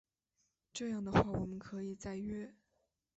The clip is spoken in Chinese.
这样的话我们可以再约